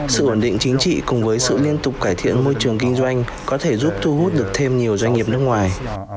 sự ổn định chính trị cùng với sự liên tục cải thiện môi trường kinh doanh có thể giúp thu hút được thêm nhiều doanh nghiệp nước ngoài